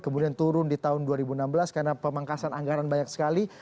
kemudian turun di tahun dua ribu enam belas karena pemangkasan anggaran banyak sekali